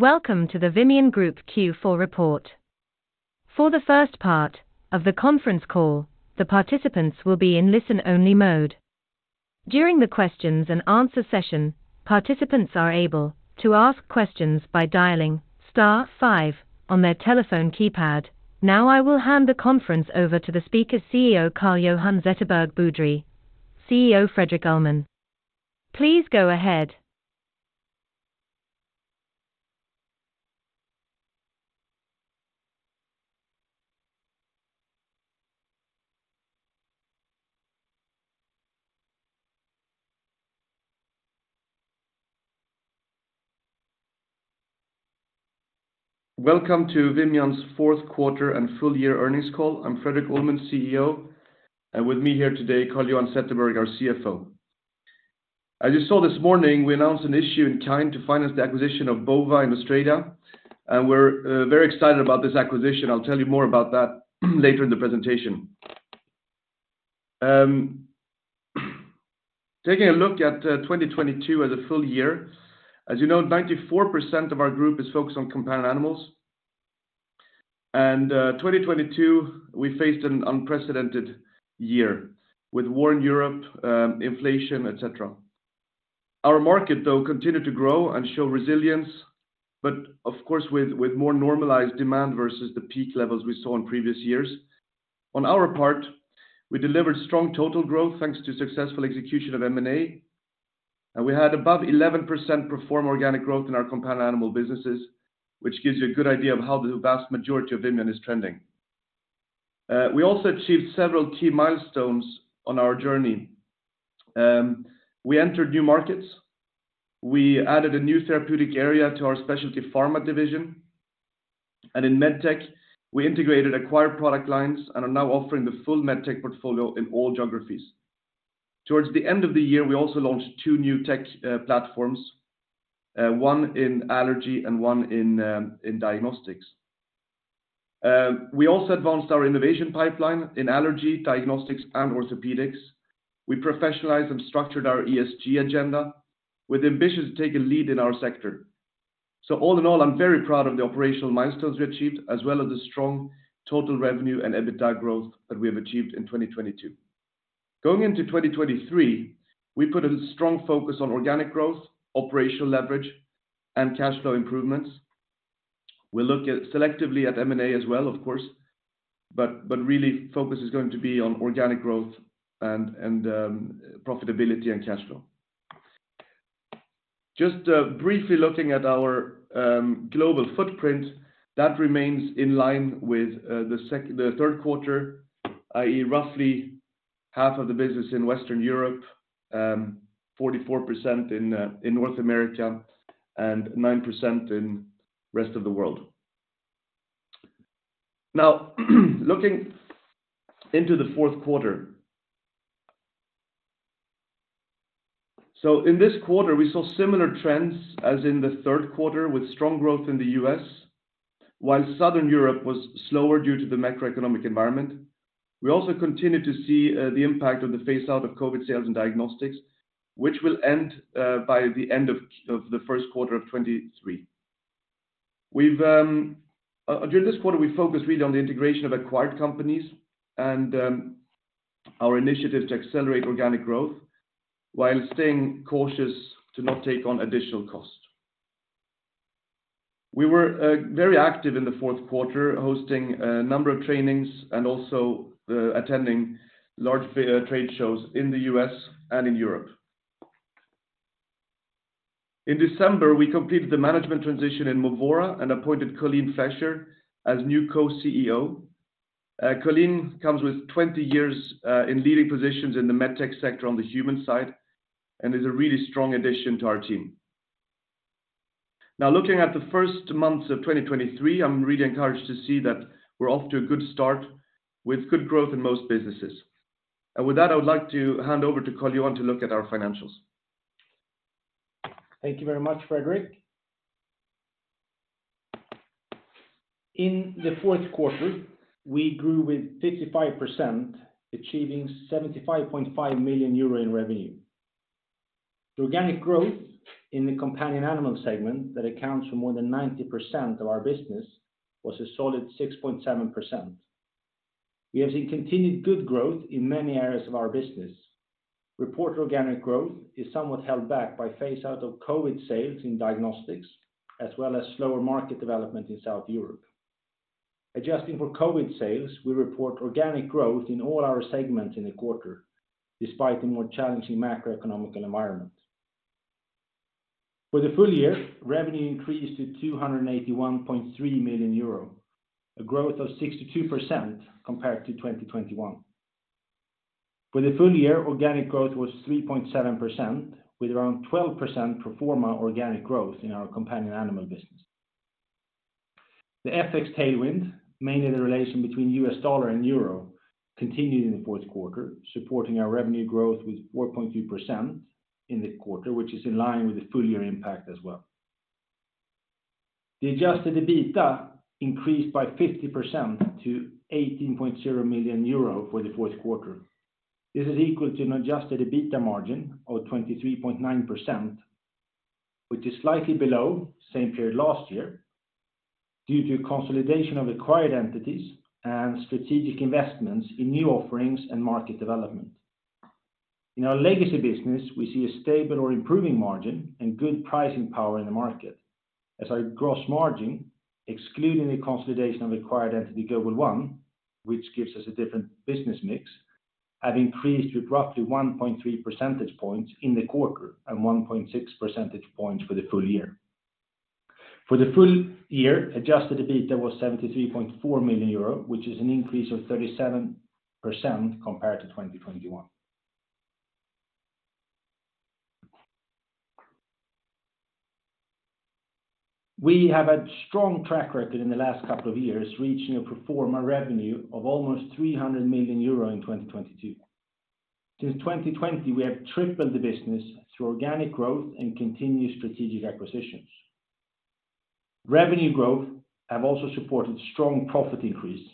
Welcome to the Vimian Group Q4 report. For the first part of the conference call, the participants will be in listen-only mode. During the questions and answer session, participants are able to ask questions by dialing star five on their telephone keypad. Now, I will hand the conference over to the speaker, CEO Carl-Johan Zetterberg Boudrie, CEO Fredrik Ullman. Please go ahead. Welcome to Vimian's fourth quarter and full year earnings call. I'm Fredrik Ullman, CEO, and with me here today, Carl Johan Zetterberg, our CFO. As you saw this morning, we announced an issue in kind to finance the acquisition of Bova in Australia, and we're very excited about this acquisition. I'll tell you more about that later in the presentation. Taking a look at 2022 as a full year, as you know, 94% of our group is focused on companion animals. 2022, we faced an unprecedented year with war in Europe, inflation, etc. Our market, though, continued to grow and show resilience, but of course, with more normalized demand versus the peak levels we saw in previous years. On our part, we delivered strong total growth thanks to successful execution of M&A. We had above 11% pro forma organic growth in our companion animal businesses, which gives you a good idea of how the vast majority of Vimian is trending. We also achieved several key milestones on our journey. We entered new markets, we added a new therapeutic area to our Specialty Pharma division. In MedTech, we integrated acquired product lines and are now offering the full MedTech portfolio in all geographies. Towards the end of the year, we also launched two new tech platforms, one in allergy and one in diagnostics. We also advanced our innovation pipeline in allergy, diagnostics, and orthopedics. We professionalized and structured our ESG agenda with ambition to take a lead in our sector. All in all, I'm very proud of the operational milestones we achieved, as well as the strong total revenue and EBITDA growth that we have achieved in 2022. Going into 2023, we put a strong focus on organic growth, operational leverage, and cash flow improvements. We look at selectively at M&A as well, of course, but really focus is going to be on organic growth and profitability and cash flow. Just briefly looking at our global footprint, that remains in line with the third quarter, i.e., roughly half of the business in Western Europe, 44% in North America, and 9% in rest of the world. Now looking into the fourth quarter. In this quarter, we saw similar trends as in the third quarter with strong growth in the U.S., while Southern Europe was slower due to the macroeconomic environment. We also continued to see the impact of the phase out of COVID sales and diagnostics, which will end by the end of the first quarter of 2023. During this quarter, we focused really on the integration of acquired companies and our initiative to accelerate organic growth while staying cautious to not take on additional cost. We were very active in the fourth quarter, hosting a number of trainings and also attending large trade shows in the U.S. and in Europe. In December, we completed the management transition in Movora and appointed Colleen Fisher as new co-CEO. Colleen comes with 20 years in leading positions in the MedTech sector on the human side and is a really strong addition to our team. Now looking at the first months of 2023, I'm really encouraged to see that we're off to a good start with good growth in most businesses. With that, I would like to hand over to Carl Johan to look at our financials. Thank you very much, Fredrik. In the fourth quarter, we grew with 55%, achieving 75.5 million euro in revenue. Organic growth in the companion animal segment that accounts for more than 90% of our business was a solid 6.7%. We have seen continued good growth in many areas of our business. Reported organic growth is somewhat held back by phase out of COVID sales in diagnostics, as well as slower market development in South Europe. Adjusting for COVID sales, we report organic growth in all our segments in the quarter despite a more challenging macroeconomic environment. For the full year, revenue increased to 281.3 million euro, a growth of 62% compared to 2021. For the full year, organic growth was 3.7%, with around 12% pro forma organic growth in our companion animal business. The FX Tailwind, mainly the relation between U.S. dollar and euro, continued in the fourth quarter, supporting our revenue growth with 4.2% in the quarter, which is in line with the full year impact as well. The Adjusted EBITDA increased by 50% to 18.0 million euro for the fourth quarter. This is equal to an Adjusted EBITDA margin of 23.9%, which is slightly below same period last year due to consolidation of acquired entities and strategic investments in new offerings and market development. In our legacy business, we see a stable or improving margin and good pricing power in the market. Our gross margin, excluding the consolidation of acquired entity GlobalOne, which gives us a different business mix, have increased with roughly 1.3 percentage points in the quarter and 1.6 percentage points for the full year. For the full year, Adjusted EBITDA was 73.4 million euro, which is an increase of 37% compared to 2021. We have a strong track record in the last couple of years, reaching a pro forma revenue of almost 300 million euro in 2022. Since 2020, we have tripled the business through organic growth and continued strategic acquisitions. Revenue growth have also supported strong profit increase.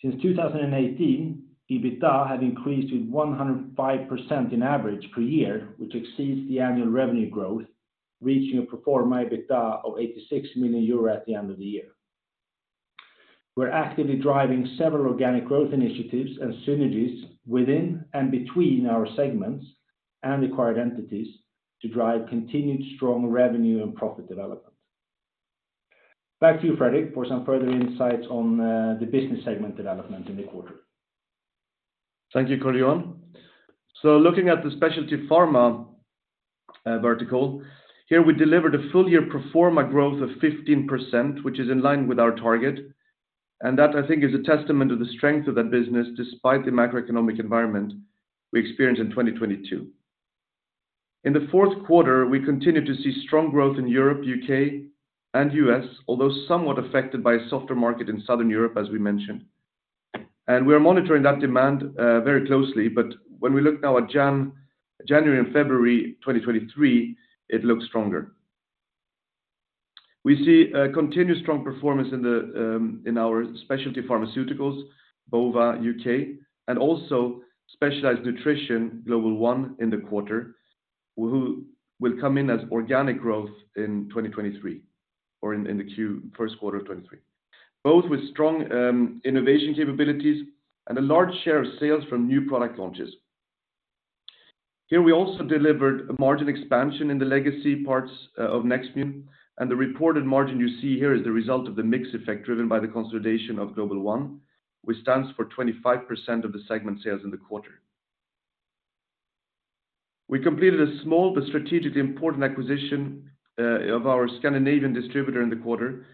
Since 2018, EBITDA had increased with 105% in average per year, which exceeds the annual revenue growth, reaching a pro forma EBITDA of 86 million euro at the end of the year. We're actively driving several organic growth initiatives and synergies within and between our segments and acquired entities to drive continued strong revenue and profit development. Back to you, Fredrik, for some further insights on the business segment development in the quarter. Thank you, Carl-Johan. Looking at the Specialty Pharma vertical, here we delivered a full year pro forma growth of 15%, which is in line with our target. That I think is a testament to the strength of that business despite the macroeconomic environment we experienced in 2022. In the fourth quarter, we continued to see strong growth in Europe, U.K., and U.S., although somewhat affected by a softer market in Southern Europe, as we mentioned. We are monitoring that demand very closely. When we look now at January and February 2023, it looks stronger. We see a continued strong performance in our specialty pharmaceuticals, Bova UK, and also specialized nutrition GlobalOne in the quarter, who will come in as organic growth in 2023 or in the first quarter of 2023, both with strong innovation capabilities and a large share of sales from new product launches. Here we also delivered a margin expansion in the legacy parts of Nextmune. The reported margin you see here is the result of the mix effect driven by the consolidation of GlobalOne, which stands for 25% of the segment sales in the quarter. We completed a small but strategically important acquisition of our Scandinavian distributor in the quarter,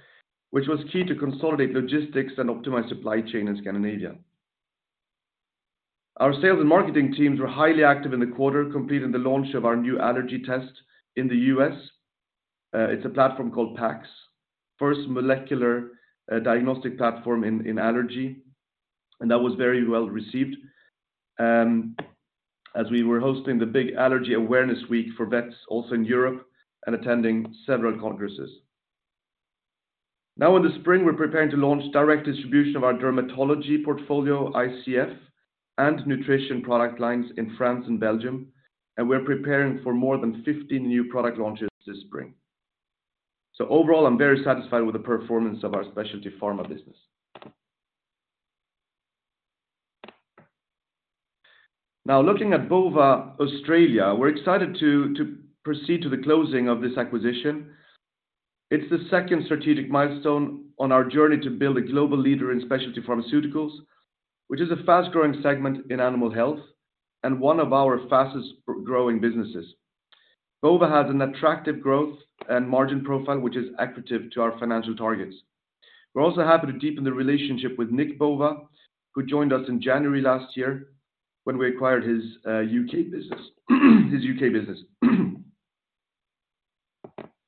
which was key to consolidate logistics and optimize supply chain in Scandinavia. Our sales and marketing teams were highly active in the quarter, completing the launch of our new allergy test in the U.S. It's a platform called PAX, first molecular diagnostic platform in allergy, that was very well received. We were hosting the big allergy awareness week for vets also in Europe and attending several congresses. In the spring, we're preparing to launch direct distribution of our dermatology portfolio, ICF, and nutrition product lines in France and Belgium, and we're preparing for more than 50 new product launches this spring. Overall, I'm very satisfied with the performance of our Specialty Pharma business. Looking at Bova Australia, we're excited to proceed to the closing of this acquisition. It's the second strategic milestone on our journey to build a global leader in specialty pharmaceuticals, which is a fast-growing segment in animal health and one of our fastest growing businesses. Bova has an attractive growth and margin profile, which is accretive to our financial targets. We're also happy to deepen the relationship with Nick Bova, who joined us in January last year when we acquired his U.K. business.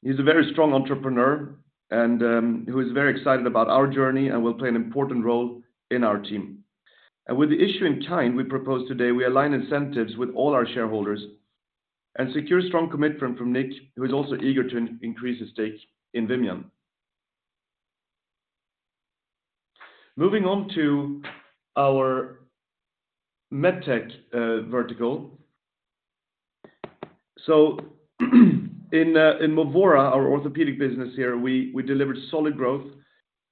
He's a very strong entrepreneur and who is very excited about our journey and will play an important role in our team. With the issuing time we propose today, we align incentives with all our shareholders and secure strong commitment from Nick, who is also eager to increase his stake in Vimian. Moving on to our MedTech vertical. In Movora, our orthopedic business here, we delivered solid growth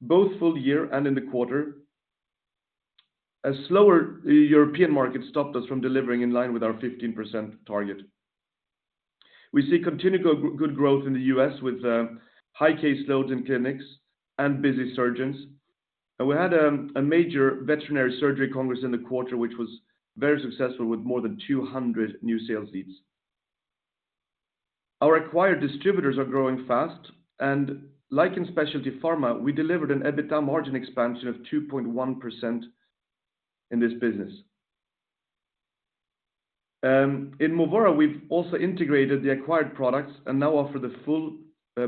both full year and in the quarter. A slower European market stopped us from delivering in line with our 15% target. We see continued good growth in the U.S. with high case loads in clinics and busy surgeons. We had a major veterinary surgery congress in the quarter, which was very successful with more than 200 new sales leads. Our acquired distributors are growing fast, like in Specialty Pharma, we delivered an EBITDA margin expansion of 2.1% in this business. In Movora, we've also integrated the acquired products and now offer the full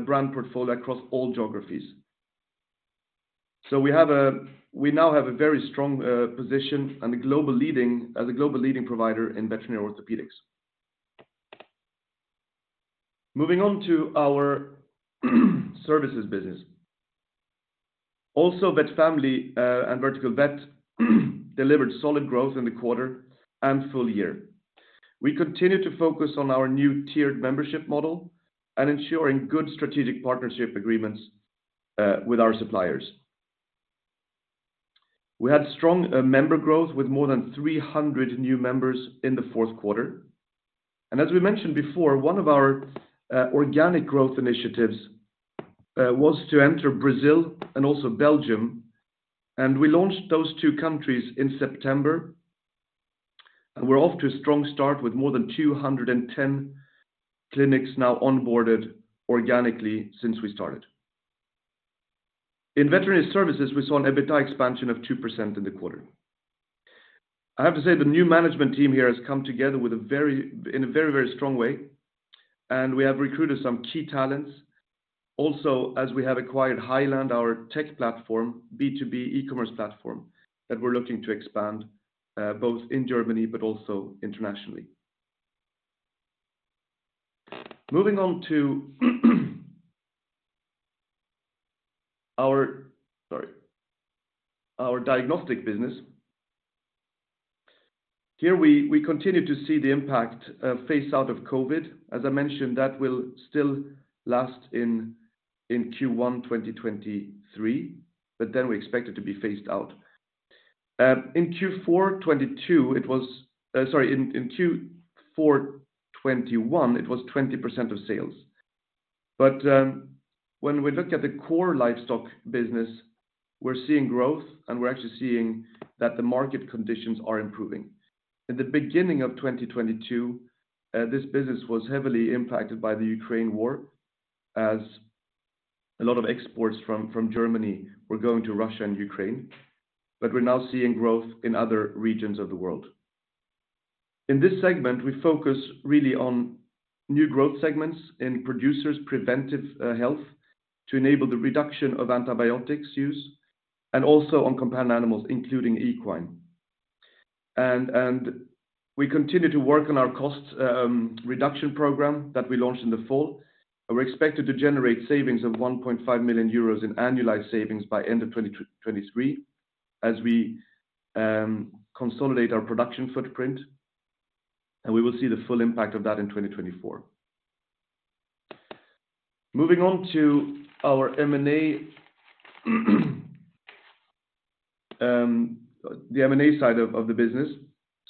brand portfolio across all geographies. We now have a very strong position as a global leading provider in veterinary orthopedics. Moving on to our services business. Also VetFamily and VerticalVet delivered solid growth in the quarter and full year. We continue to focus on our new tiered membership model and ensuring good strategic partnership agreements with our suppliers. We had strong member growth with more than 300 new members in the fourth quarter. As we mentioned before, one of our organic growth initiatives was to enter Brazil and also Belgium. We launched those two countries in September, and we're off to a strong start with more than 210 clinics now onboarded organically since we started. In veterinary services, we saw an EBITDA expansion of 2% in the quarter. I have to say, the new management team here has come together in a very, very strong way. We have recruited some key talents. As we have acquired heiland.com, our tech platform, B2B e-commerce platform, that we're looking to expand both in Germany but also internationally. Our diagnostic business. Here we continue to see the impact of phase out of COVID. As I mentioned, that will still last in Q1 2023. We expect it to be phased out. In Q4 2022, in Q4 2021, it was 20% of sales. When we look at the core livestock business, we're seeing growth. We're actually seeing that the market conditions are improving. In the beginning of 2022, this business was heavily impacted by the Ukraine War, as a lot of exports from Germany were going to Russia and Ukraine. We're now seeing growth in other regions of the world. In this segment, we focus really on new growth segments in producers preventive health to enable the reduction of antibiotics use and also on companion animals, including equine. We continue to work on our cost reduction program that we launched in the fall. We're expected to generate savings of 1.5 million euros in annualized savings by end of 2023 as we consolidate our production footprint. We will see the full impact of that in 2024. Moving on to our M&A, the M&A side of the business.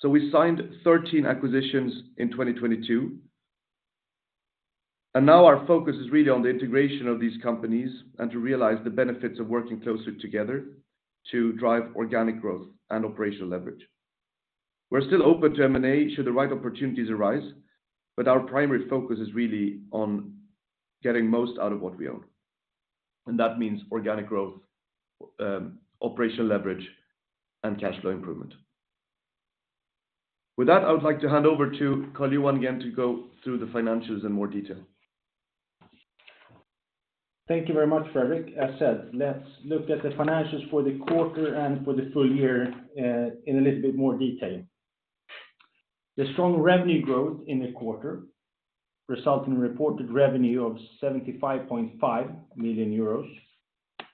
We signed 13 acquisitions in 2022, and now our focus is really on the integration of these companies and to realize the benefits of working closer together to drive organic growth and operational leverage. We're still open to M&A should the right opportunities arise, but our primary focus is really on getting most out of what we own, and that means organic growth, operational leverage, and cash flow improvement. With that, I would like to hand over to Carl-Johan again to go through the financials in more detail. Thank you very much, Fredrik. As said, let's look at the financials for the quarter and for the full year, in a little bit more detail. The strong revenue growth in the quarter result in a reported revenue of 75.5 million euros,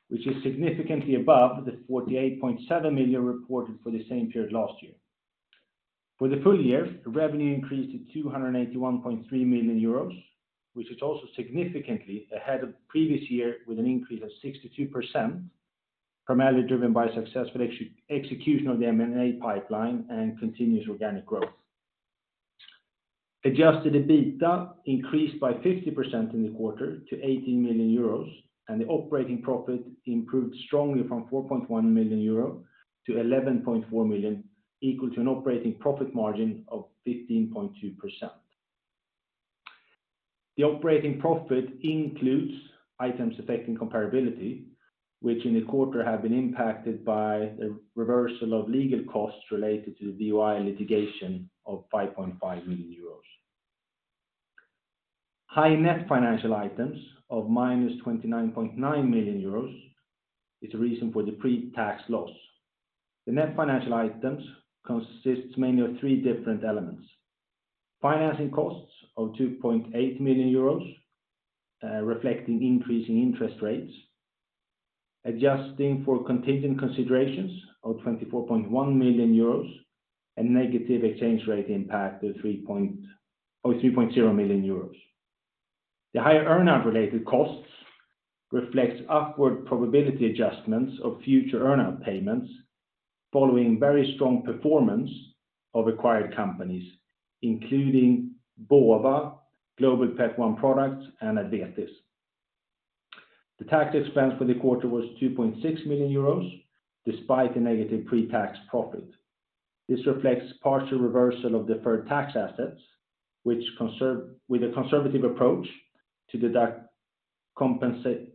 which is significantly above the 48.7 million reported for the same period last year. For the full year, the revenue increased to 281.3 million euros, which is also significantly ahead of previous year with an increase of 62%, primarily driven by successful execution of the M&A pipeline and continuous organic growth. Adjusted EBITDA increased by 50% in the quarter to 80 million euros, and the operating profit improved strongly from 4.1 million-11.4 million euro, equal to an operating profit margin of 15.2%. The operating profit includes items affecting comparability, which in the quarter have been impacted by the reversal of legal costs related to the VOI litigation of 5.5 million euros. High net financial items of -29.9 million euros is the reason for the pre-tax loss. The net financial items consists mainly of three different elements: financing costs of 2.8 million euros, reflecting increase in interest rates, adjusting for contingent considerations of 24.1 million euros, and negative exchange rate impact of 3.0 million euros. The higher earnout-related costs reflects upward probability adjustments of future earnout payments following very strong performance of acquired companies, including Bova, GlobalOne Pet Products, and AdVetis. The tax expense for the quarter was 2.6 million euros, despite a negative pre-tax profit. This reflects partial reversal of deferred tax assets, with a conservative approach to deduct compensable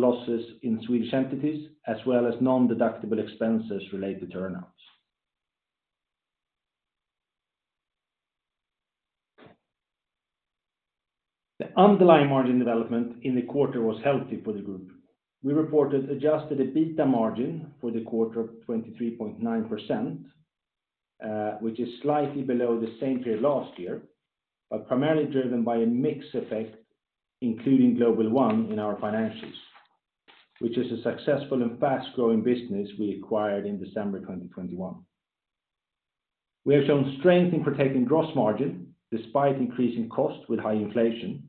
losses in Swedish entities, as well as non-deductible expenses related to earnouts. The underlying margin development in the quarter was healthy for the group. We reported Adjusted EBITDA margin for the quarter of 23.9%. Which is slightly below the same period last year, but primarily driven by a mix effect, including GlobalOne Pet Products in our financials, which is a successful and fast-growing business we acquired in December 2021. We have shown strength in protecting gross margin despite increasing costs with high inflation.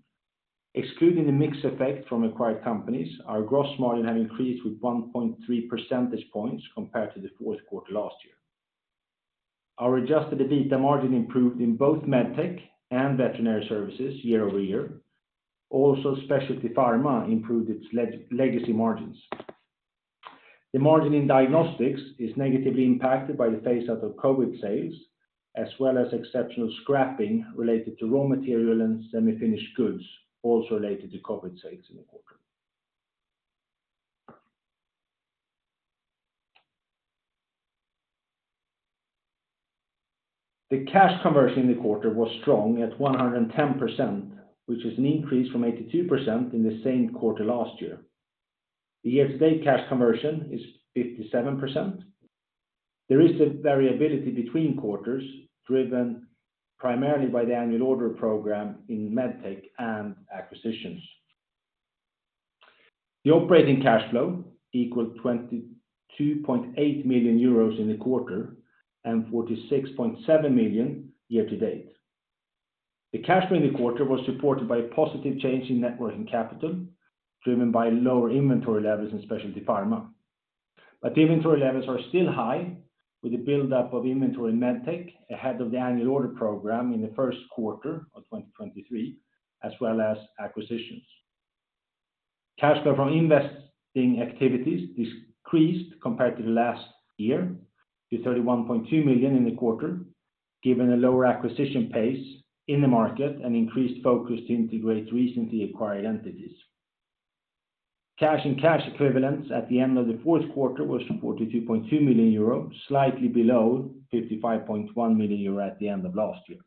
Excluding the mix effect from acquired companies, our gross margin have increased with 1.3 percentage points compared to the fourth quarter last year. Our Adjusted EBITDA margin improved in both MedTech and veterinary services year-over-year. Also, Specialty Pharma improved its legacy margins. The margin in diagnostics is negatively impacted by the phase out of COVID sales, as well as exceptional scrapping related to raw material and semi-finished goods, also related to COVID sales in the quarter. The cash conversion in the quarter was strong at 110%, which is an increase from 82% in the same quarter last year. The year-to-date cash conversion is 57%. There is a variability between quarters driven primarily by the annual order program in MedTech and acquisitions. The operating cash flow equaled 22.8 million euros in the quarter and 46.7 million year-to-date. The cash flow in the quarter was supported by a positive change in net working capital driven by lower inventory levels in Specialty Pharma. The inventory levels are still high with the buildup of inventory in MedTech ahead of the annual order program in the first quarter of 2023 as well as acquisitions. Cash flow from investing activities decreased compared to last year to 31.2 million in the quarter, given a lower acquisition pace in the market and increased focus to integrate recently acquired entities. Cash and cash equivalents at the end of the fourth quarter was 42.2 million euro, slightly below 55.1 million euro at the end of last year.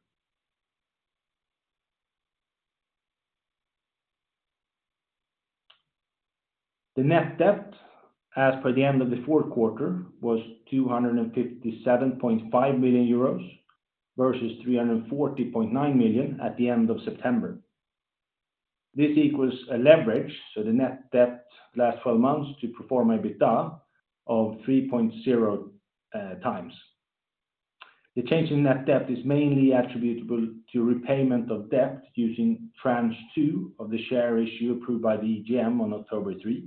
The net debt as per the end of the fourth quarter was 257.5 million euros versus 340.9 million at the end of September. This equals a leverage, so the net debt last twelve months to pro forma EBITDA of 3.0 times. The change in net debt is mainly attributable to repayment of debt using tranche two of the share issue approved by the AGM on October 3.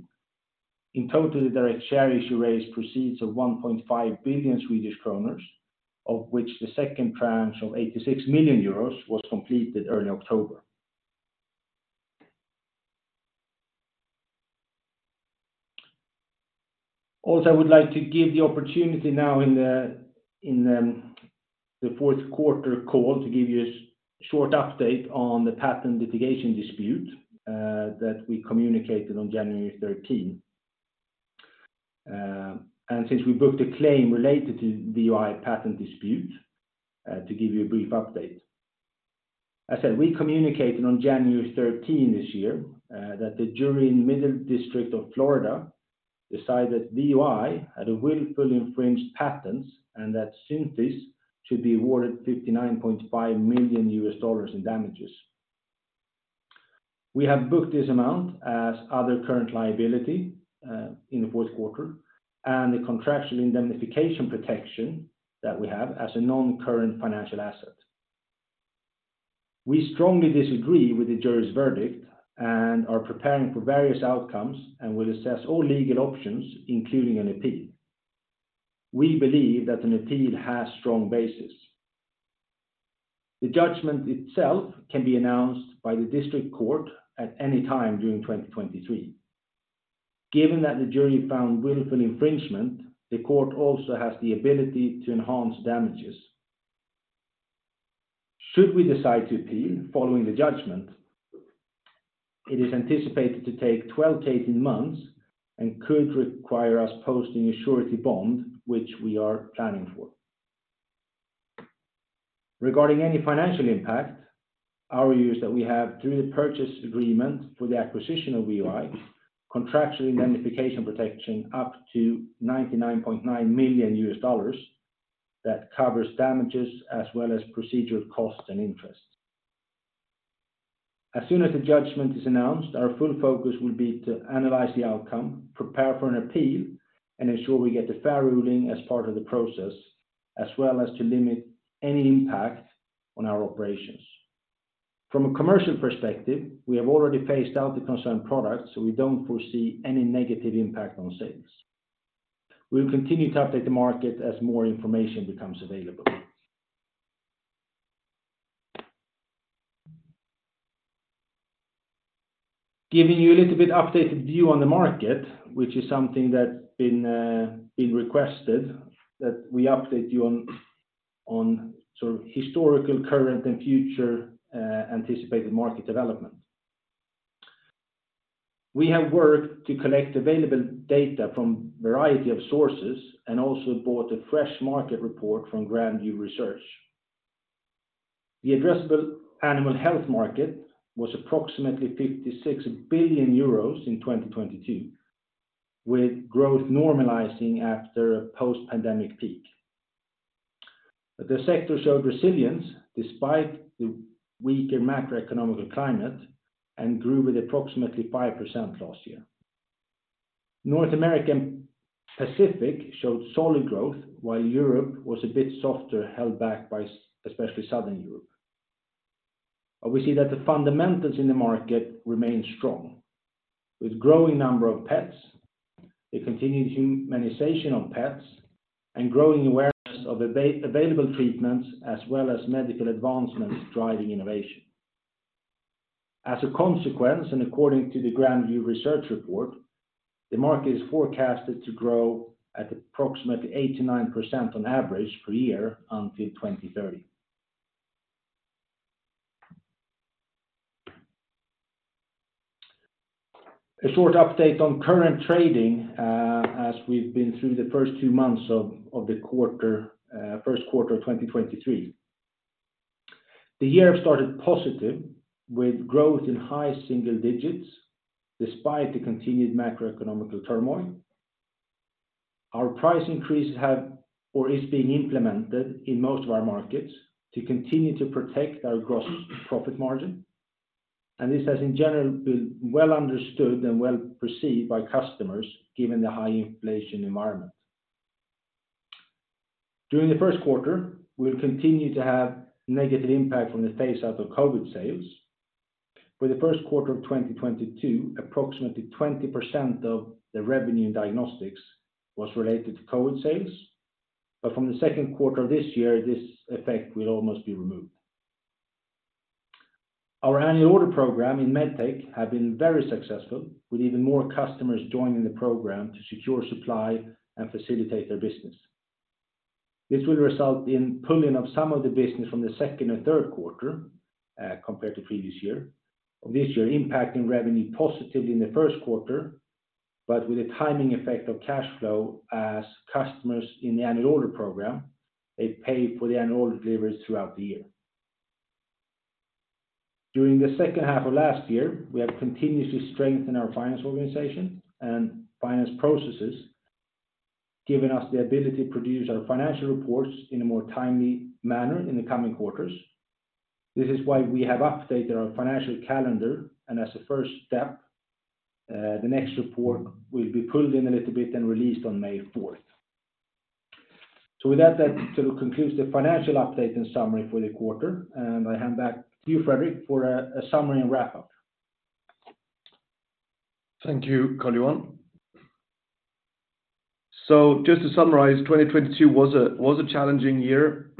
In total, the direct share issue raised proceeds of 1.5 billion Swedish kronor, of which the second tranche of 86 million euros was completed early October. I would like to give the opportunity now in the fourth quarter call to give you a short update on the patent litigation dispute that we communicated on January 13. Since we booked a claim related to VOI patent dispute, to give you a brief update. As said, we communicated on January 13 this year that the jury in Middle District of Florida decided VOI had a willful infringed patents and that Synthes should be awarded $59.5 million in damages. We have booked this amount as other current liability in the fourth quarter and the contractual indemnification protection that we have as a non-current financial asset. We strongly disagree with the jury's verdict and are preparing for various outcomes and will assess all legal options, including an appeal. We believe that an appeal has strong basis. The judgment itself can be announced by the district court at any time during 2023. Given that the jury found willful infringement, the court also has the ability to enhance damages. Should we decide to appeal following the judgment, it is anticipated to take 12-18 months and could require us posting a surety bond, which we are planning for. Regarding any financial impact, our view is that we have through the purchase agreement for the acquisition of VOI, contractual indemnification protection up to $99.9 million that covers damages as well as procedural costs and interest. Soon as the judgment is announced, our full focus will be to analyze the outcome, prepare for an appeal, and ensure we get the fair ruling as part of the process, as well as to limit any impact on our operations. From a commercial perspective, we have already phased out the concerned product, we don't foresee any negative impact on sales. We will continue to update the market as more information becomes available. Giving you a little bit updated view on the market, which is something that been requested that we update you on sort of historical, current, and future anticipated market development. We have worked to collect available data from variety of sources and also bought a fresh market report from Grand View Research. The addressable animal health market was approximately 56 billion euros in 2022, with growth normalizing after a post-pandemic peak. The sector showed resilience despite the weaker macroeconomic climate and grew with approximately 5% last year. North American Pacific showed solid growth, while Europe was a bit softer, held back by especially Southern Europe. We see that the fundamentals in the market remain strong, with growing number of pets, the continued humanization of pets, and growing awareness of available treatments as well as medical advancements driving innovation. As a consequence, and according to the Grand View Research Report, the market is forecasted to grow at approximately 89% on average per year until 2030. A short update on current trading, as we've been through the first two months of the quarter, first quarter of 2023. The year have started positive with growth in high single digits despite the continued macroeconomic turmoil. Our price increases is being implemented in most of our markets to continue to protect our gross profit margin. This has in general been well understood and well perceived by customers given the high inflation environment. During the first quarter, we will continue to have negative impact from the phase out of COVID sales. For the first quarter of 2022, approximately 20% of the revenue in diagnostics was related to COVID sales. From the second quarter of this year, this effect will almost be removed. Our annual order program in MedTech have been very successful, with even more customers joining the program to secure supply and facilitate their business. This will result in pulling up some of the business from the second and third quarter, compared to previous year. This year impacting revenue positively in the first quarter, but with a timing effect of cash flow as customers in the annual order program, they pay for the annual order deliveries throughout the year. During the second half of last year, we have continuously strengthened our finance organization and finance processes, giving us the ability to produce our financial reports in a more timely manner in the coming quarters. This is why we have updated our financial calendar, and as a first step, the next report will be pulled in a little bit and released on May fourth. With that sort of concludes the financial update and summary for the quarter, I hand back to you, Fredrik, for a summary and wrap-up. Thank you, Carl-Johan. Just to summarize, 2022 was a challenging year,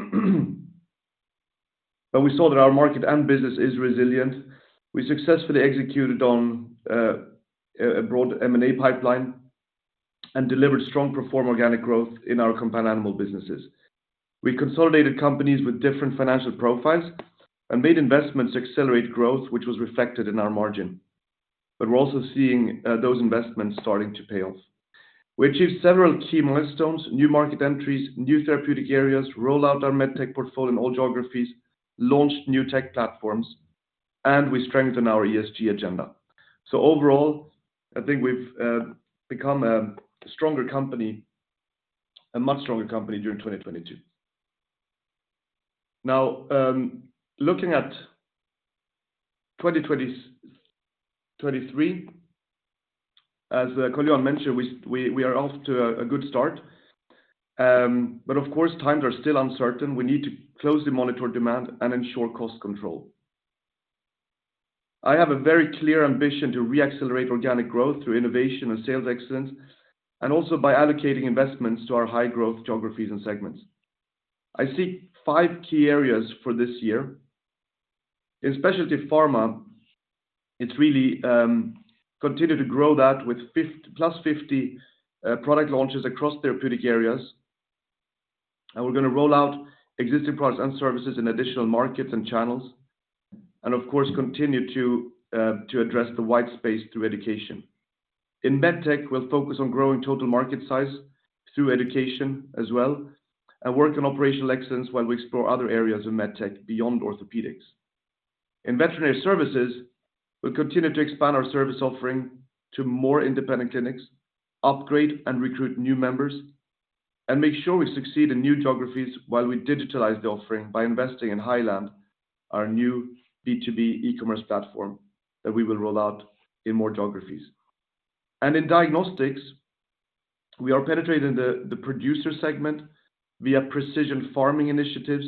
but we saw that our market and business is resilient. We successfully executed on a broad M&A pipeline and delivered strong performer organic growth in our combined animal businesses. We consolidated companies with different financial profiles and made investments to accelerate growth, which was reflected in our margin. We're also seeing those investments starting to pay off. We achieved several key milestones, new market entries, new therapeutic areas, rolled out our MedTech portfolio in all geographies, launched new tech platforms, and we strengthened our ESG agenda. Overall, I think we've become a stronger company, a much stronger company during 2022. Now, looking at 2023, as Carl-Johan mentioned, we are off to a good start. Of course, times are still uncertain. We need to closely monitor demand and ensure cost control. I have a very clear ambition to re-accelerate organic growth through innovation and sales excellence, also by allocating investments to our high-growth geographies and segments. I see five key areas for this year. In Specialty Pharma, it's really continue to grow that with plus 50 product launches across therapeutic areas. We're gonna roll out existing products and services in additional markets and channels, and of course, continue to address the white space through education. In MedTech, we'll focus on growing total market size through education as well, and work on operational excellence while we explore other areas of MedTech beyond orthopedics. In veterinary services, we'll continue to expand our service offering to more independent clinics, upgrade and recruit new members, and make sure we succeed in new geographies while we digitalize the offering by investing in heiland.com, our new B2B e-commerce platform that we will roll out in more geographies. In diagnostics, we are penetrating the producer segment via precision farming initiatives,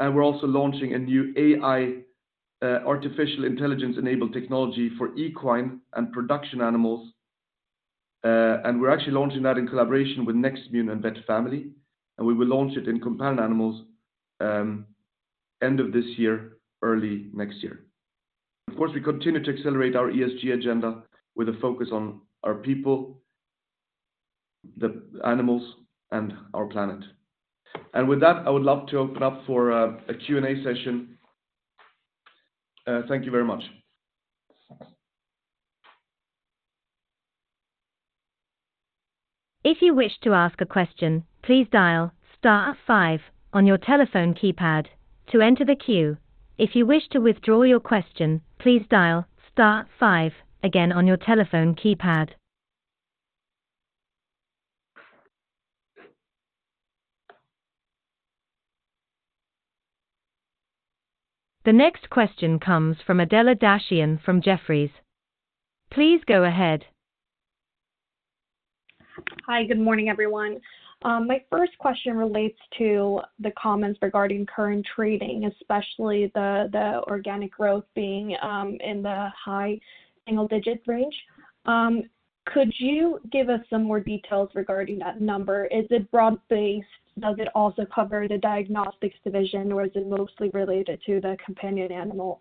and we're also launching a new AI, artificial intelligence-enabled technology for equine and production animals, and we're actually launching that in collaboration with Nextmune and VetFamily, and we will launch it in companion animals end of this year, early next year. Of course, we continue to accelerate our ESG agenda with a focus on our people, the animals, and our planet. With that, I would love to open up for a Q&A session. Thank you very much. If you wish to ask a question, please dial star five on your telephone keypad to enter the queue. If you wish to withdraw your question, please dial star five again on your telephone keypad. The next question comes from Adela Dashian from Jefferies. Please go ahead. Hi, good morning, everyone. My first question relates to the comments regarding current trading, especially the organic growth being in the high single digits range. Could you give us some more details regarding that number? Is it broad-based? Does it also cover the diagnostics division, or is it mostly related to the companion animal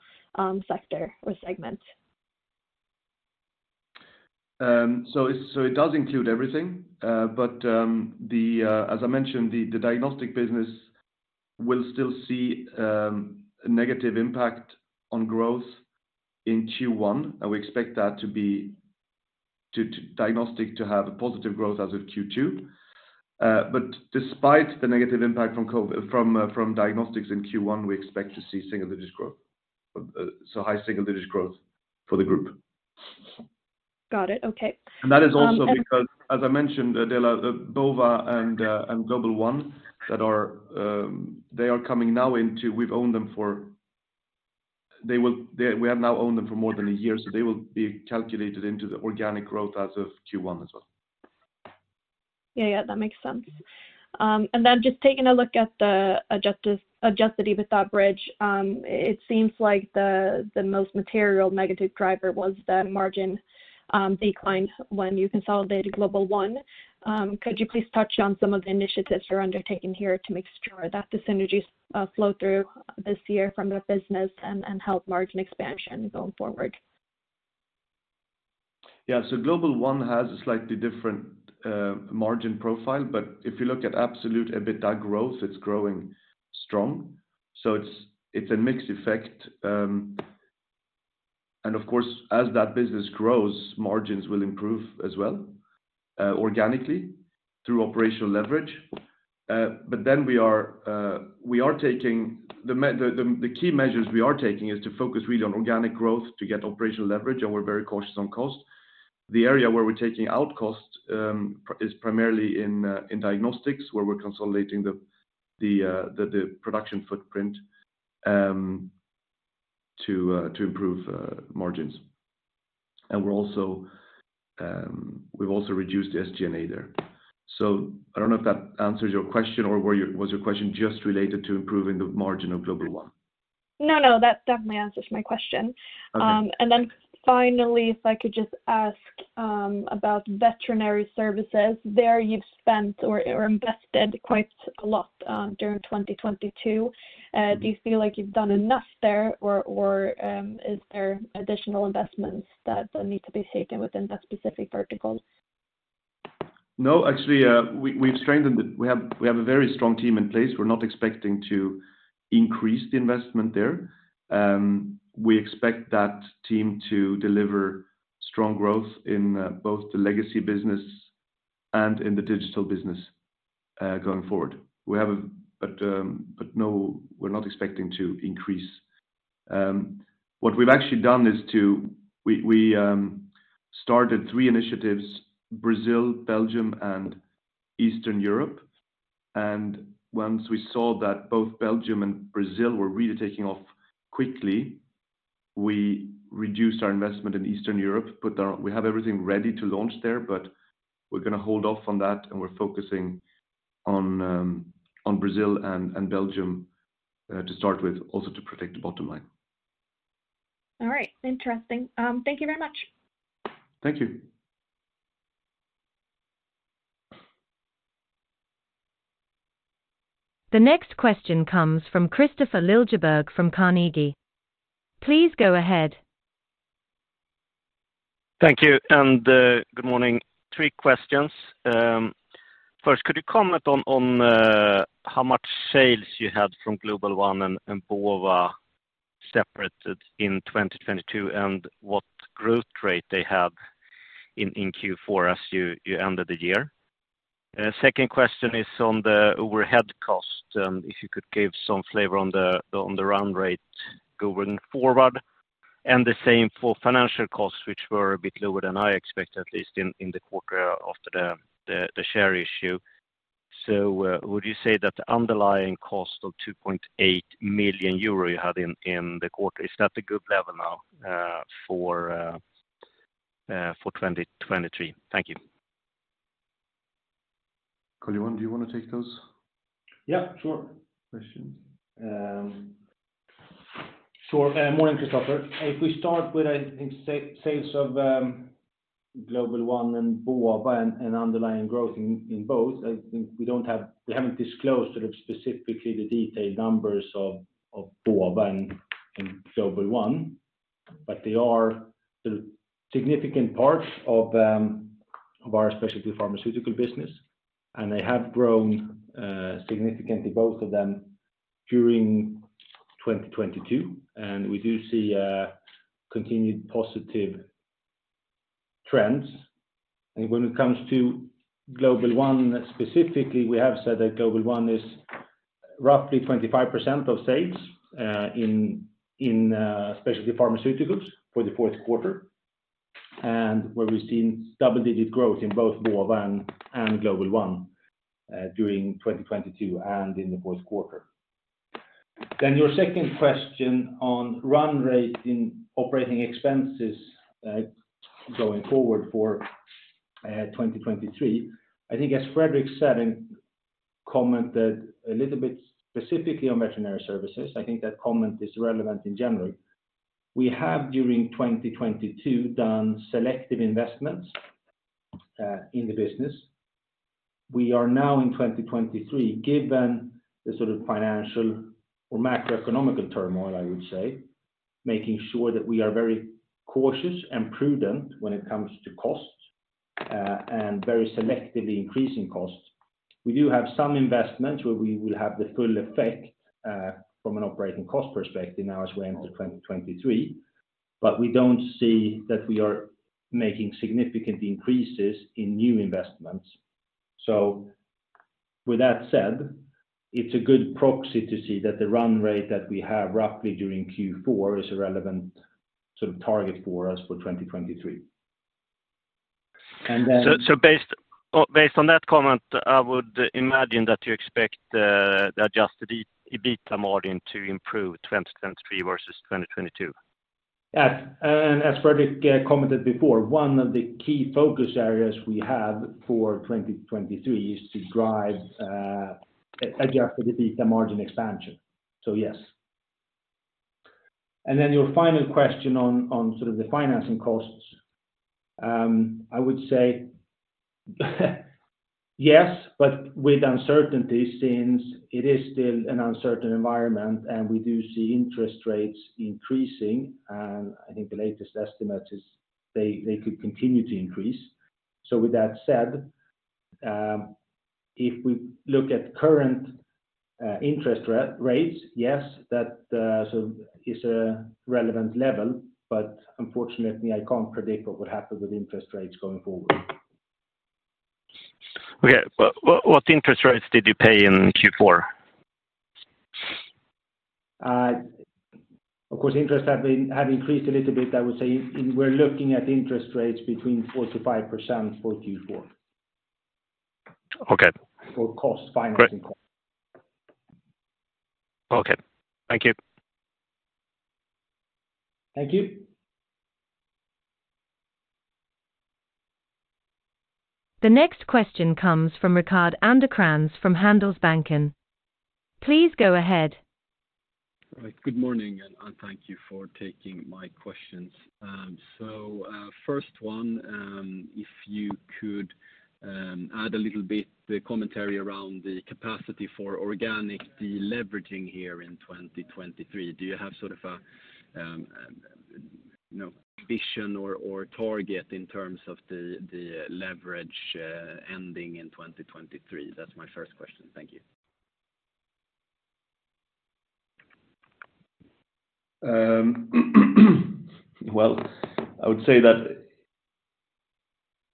sector or segment? It does include everything. As I mentioned, the diagnostic business will still see negative impact on growth in Q1, and we expect that to be to diagnostic to have a positive growth as of Q2. Despite the negative impact from diagnostics in Q1, we expect to see single digits growth. High single digits growth for the group. Got it. Okay. That is also because, as I mentioned, Adela, Bova and GlobalOne that are, We have now owned them for more than one year, so they will be calculated into the organic growth as of Q1 as well. Yeah, yeah, that makes sense. Just taking a look at the Adjusted EBITDA bridge, it seems like the most material negative driver was the margin decline when you consolidated GlobalOne. Could you please touch on some of the initiatives you're undertaking here to make sure that the synergies flow through this year from the business and help margin expansion going forward? Yeah. GlobalOne Pet Products has a slightly different margin profile, but if you look at absolute EBITDA growth, it's growing strong. It's a mixed effect. Of course, as that business grows, margins will improve as well organically through operational leverage. We are taking... The key measures we are taking is to focus really on organic growth to get operational leverage, and we're very cautious on cost. The area where we're taking out costs is primarily in Diagnostics, where we're consolidating the production footprint to improve margins. We've also reduced the SG&A there. I don't know if that answers your question or was your question just related to improving the margin of GlobalOne Pet Products? No, no, that definitely answers my question. Okay. Then finally, if I could just ask about veterinary services. There you've spent or invested quite a lot during 2022. Do you feel like you've done enough there or, is there additional investments that need to be taken within that specific vertical? Actually, we've strengthened the... We have a very strong team in place. We're not expecting to increase the investment there. We expect that team to deliver strong growth in both the legacy business and in the digital business going forward. We have a... No, we're not expecting to increase. What we've actually done is to... We started three initiatives, Brazil, Belgium, and Eastern Europe. Once we saw that both Belgium and Brazil were really taking off quickly, we reduced our investment in Eastern Europe. We have everything ready to launch there, but we're gonna hold off on that, and we're focusing on Brazil and Belgium to start with, also to protect the bottom line. All right. Interesting. Thank you very much. Thank you. The next question comes from Kristofer Liljeberg from Carnegie. Please go ahead. Thank you. Good morning. Three questions. First, could you comment on how much sales you had from GlobalOne and Bova separated in 2022 and what growth rate they have in Q4 as you ended the year? Second question is on the overhead cost, if you could give some flavor on the run rate going forward, and the same for financial costs, which were a bit lower than I expected, at least in the quarter after the share issue. Would you say that the underlying cost of 2.8 million euro you had in the quarter, is that a good level now for 2023? Thank you. Carl Johan, do you want to take those questions?? Yeah, sure. Sure. Morning, Kristofer. If we start with sales of GlobalOne and Bova and underlying growth in both, we haven't disclosed sort of specifically the detailed numbers of Bova and GlobalOne, but they are the significant parts of our Specialty Pharma business. They have grown significantly, both of them during 2022, and we do see continued positive trends. When it comes to GlobalOne specifically, we have said that GlobalOne is roughly 25% of sales in Specialty Pharma for the fourth quarter, and where we've seen double-digit growth in both Movora and GlobalOne during 2022 and in the fourth quarter. Your second question on run rate in operating expenses going forward for 2023. I think as Fredrik said and commented a little bit specifically on veterinary services, I think that comment is relevant in general. We have, during 2022, done selective investments in the business. We are now in 2023, given the sort of financial or macroeconomic turmoil, I would say, making sure that we are very cautious and prudent when it comes to costs and very selectively increasing costs. We do have some investments where we will have the full effect from an operating cost perspective now as we enter 2023, we don't see that we are making significant increases in new investments. With that said, it's a good proxy to see that the run rate that we have roughly during Q4 is a relevant sort of target for us for 2023. Based on that comment, I would imagine that you expect the Adjusted EBITDA margin to improve 2023 versus 2022. Yes. As Fredrik commented before, one of the key focus areas we have for 2023 is to drive Adjusted EBITDA margin expansion. Yes. Your final question on sort of the financing costs. I would say yes, but with uncertainty, since it is still an uncertain environment, and we do see interest rates increasing, and I think the latest estimate is they could continue to increase. With that said, if we look at current interest rates, yes, that so is a relevant level, but unfortunately, I can't predict what would happen with interest rates going forward. Okay. What interest rates did you pay in Q4? of course, interest have increased a little bit. I would say we're looking at interest rates between 4%-5% for Q4. Okay. For cost, financing cost. Okay. Thank you. Thank you. The next question comes from Rickard Anderkrans from Handelsbanken. Please go ahead. All right. Good morning, and thank you for taking my questions. First one, if you could add a little bit the commentary around the capacity for organic deleveraging here in 2023. Do you have sort of a, you know, vision or target in terms of the leverage, ending in 2023? That's my first question. Thank you. Well, I would say that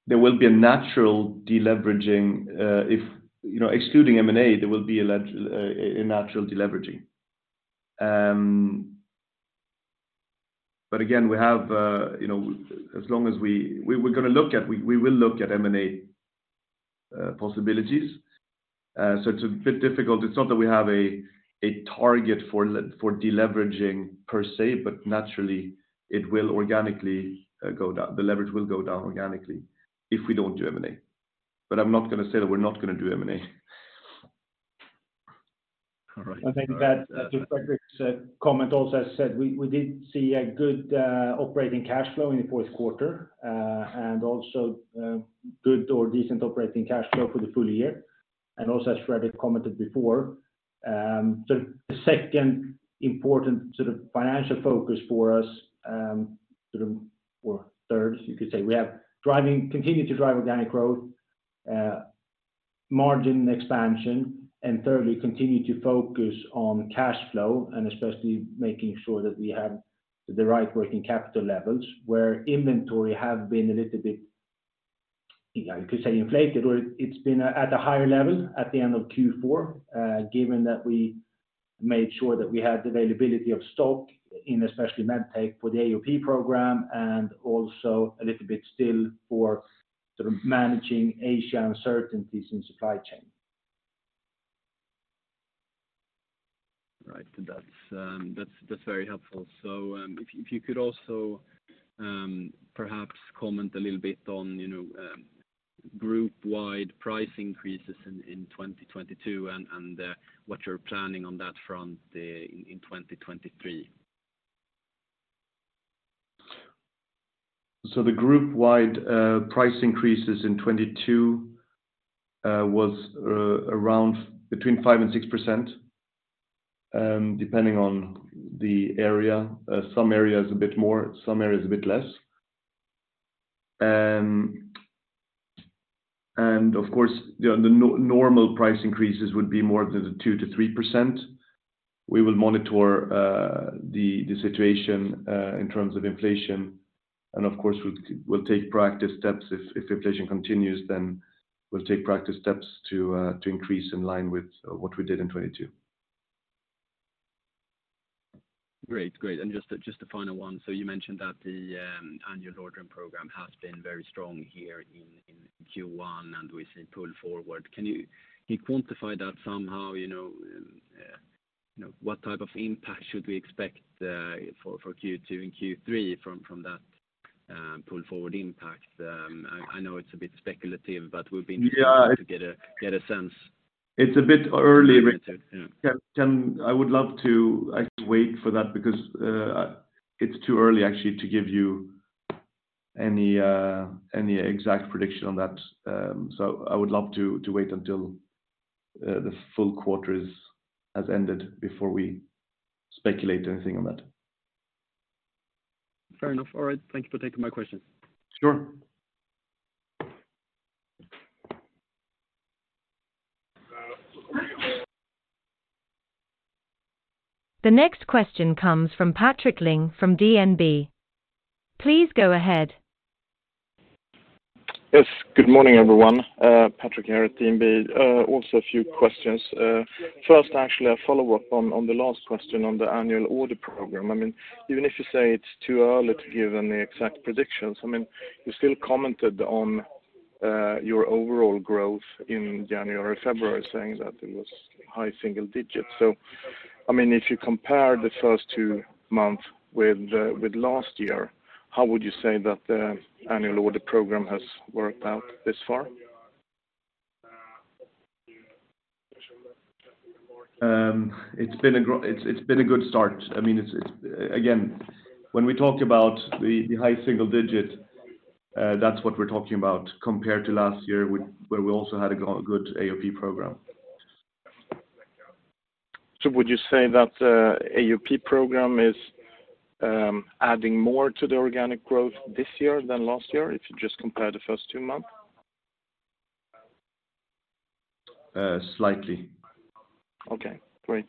there will be a natural deleveraging, if you know, excluding M&A, there will be a natural deleveraging. Again, we have, you know, as long as we're gonna look at, we will look at M&A possibilities. It's a bit difficult. It's not that we have a target for deleveraging per se, but naturally it will organically go down. The leverage will go down organically if we don't do M&A. I'm not gonna say that we're not gonna do M&A. All right. I think that to Fredrik's comment also said, we did see a good operating cash flow in the fourth quarter, and also, good or decent operating cash flow for the full year. Also, as Fredrik commented before, the second important sort of financial focus for us, sort of, or third, you could say we have driving... Continue to drive organic growth, margin expansion, and thirdly, continue to focus on cash flow and especially making sure that we have the right working capital levels where inventory have been a little bit, you know, you could say inflated, or it's been at a higher level at the end of Q4, given that we made sure that we had availability of stock in especially MedTech for the AOP program and also a little bit still for sort of managing Asia uncertainties in supply chain. Right. That's very helpful. If you could also, perhaps comment a little bit on, you know, group-wide price increases in 2022 and what you're planning on that front in 2023. The group-wide price increases in 2022 was around between 5% and 6%. Depending on the area, some areas a bit more, some areas a bit less. Of course, the normal price increases would be more than 2%-3%. We will monitor the situation in terms of inflation, and of course, we'll take proactive steps if inflation continues, then we'll take proactive steps to increase in line with what we did in 2022. Great. Great. Just a final one. You mentioned that the annual ordering program has been very strong here in Q1, and we see pull forward. Can you quantify that somehow, you know, what type of impact should we expect for Q2 and Q3 from that pull forward impact? I know it's a bit speculative. Yeah. interested to get a sense. It's a bit early. Yeah. I would love to. I could wait for that because it's too early actually to give you any exact prediction on that. I would love to wait until the full quarter has ended before we speculate anything on that. Fair enough. All right. Thank you for taking my question. Sure. The next question comes from Patrik Ling from DNB. Please go ahead. Yes. Good morning, everyone. Patrik here at DNB. Also a few questions. First, actually a follow-up on the last question on the annual order program. I mean, even if you say it's too early to give any exact predictions, I mean, you still commented on your overall growth in January, February saying that it was high single digits. I mean, if you compare the first two months with last year, how would you say that the annual order program has worked out this far? It's been a good start. I mean, it's. When we talk about the high single digit, that's what we're talking about compared to last year where we also had a good AOP program. Would you say that AOP program is adding more to the organic growth this year than last year, if you just compare the first two months? Slightly. Okay, great.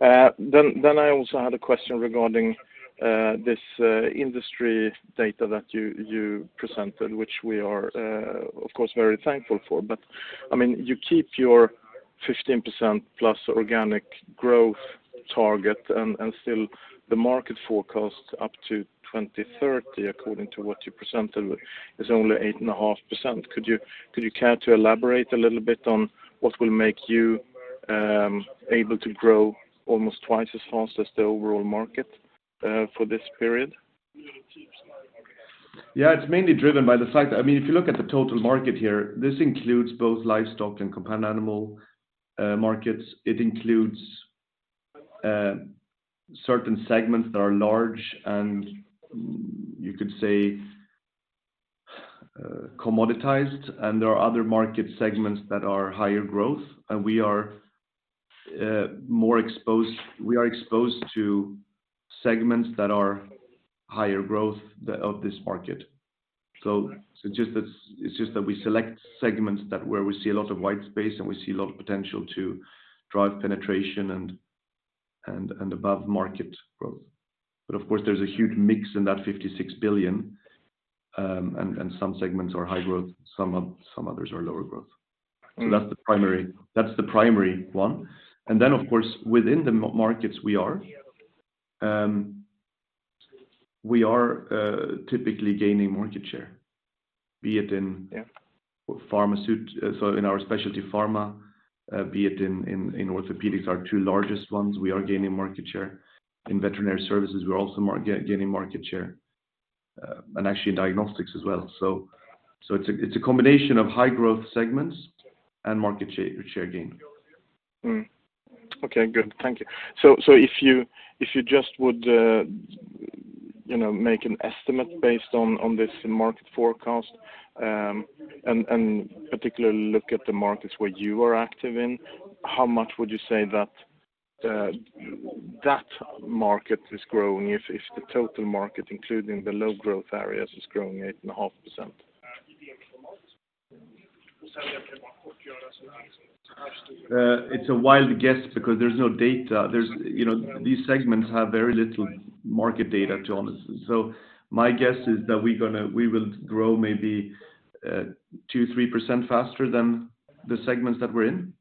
Then I also had a question regarding this industry data that you presented, which we are, of course, very thankful for. I mean, you keep your 15% plus organic growth target and still the market forecast up to 2030, according to what you presented, is only 8.5%. Could you care to elaborate a little bit on what will make you able to grow almost twice as fast as the overall market for this period? Yeah. It's mainly driven by the fact that, I mean, if you look at the total market here, this includes both livestock and companion animal markets. It includes certain segments that are large and you could say commoditized. There are other market segments that are higher growth. We are exposed to segments that are higher growth of this market. It's just that we select segments where we see a lot of white space and we see a lot of potential to drive penetration and above market growth. Of course, there's a huge mix in that 56 billion, and some segments are high growth, some others are lower growth. That's the primary, that's the primary one. Of course, within the markets we are typically gaining market share, be it in. Yeah. In our Specialty Pharma, be it in orthopedics, our two largest ones, we are gaining market share. In veterinary services, we're also gaining market share. Actually diagnostics as well. It's a combination of high growth segments and market share gain. Okay, good. Thank you. If you just would, you know, make an estimate based on this market forecast, and particularly look at the markets where you are active in, how much would you say that market is growing if the total market, including the low growth areas, is growing 8.5%? It's a wild guess because there's no data. There's, you know, these segments have very little market data to honest. My guess is that we will grow maybe, 2%, 3% faster than the segments that we're in.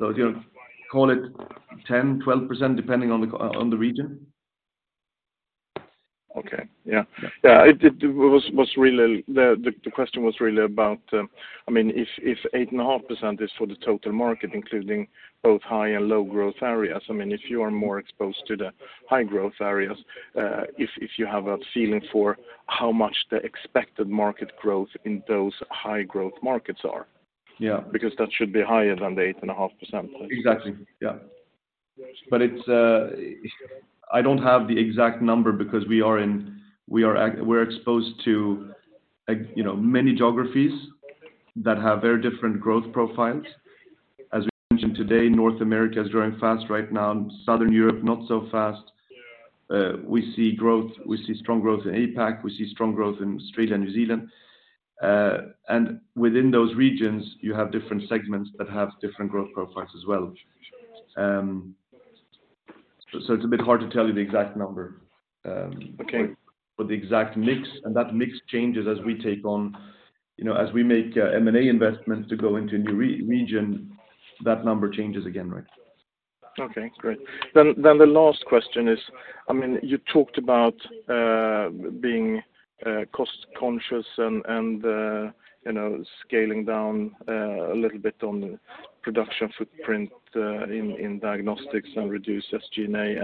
You know, call it 10%, 12%, depending on the region. Okay. Yeah. Yeah. The question was really about, I mean, if 8.5% is for the total market, including both high and low growth areas, I mean, if you are more exposed to the high growth areas, if you have a feeling for how much the expected market growth in those high growth markets are? Yeah. That should be higher than the 8.5%. Exactly, yeah. It's. I don't have the exact number because we're exposed to, like, you know, many geographies that have very different growth profiles. As we mentioned today, North America is growing fast right now, Southern Europe, not so fast. We see strong growth in APAC, we see strong growth in Australia and New Zealand. Within those regions, you have different segments that have different growth profiles as well. It's a bit hard to tell you the exact number. Okay. The exact mix, and that mix changes as we take on, you know, as we make M&A investments to go into a new region, that number changes again, right? Okay, great. The last question is, I mean, you talked about being cost conscious and, you know, scaling down a little bit on production footprint in diagnostics and reduce SG&A.